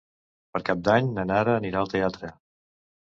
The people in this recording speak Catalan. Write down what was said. Per Cap d'Any na Nara anirà al teatre.